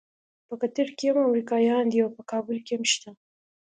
په قطر کې هم امریکایان دي او په کابل کې هم شته.